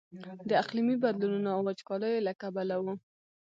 د اقلیمي بدلونونو او وچکاليو له کبله و.